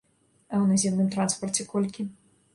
А ў наземным транспарце колькі?